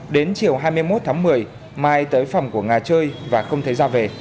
đến chiều hai mươi một tháng một mươi mai tới phòng của nga chơi và không thấy ra về